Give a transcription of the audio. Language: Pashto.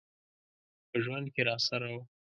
په ژوند کي راسره و .